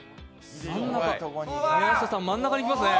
真ん中にいきますね。